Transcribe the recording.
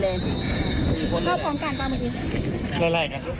เหนื่อยรองใจขึ้นมาเยอะเลยค่ะ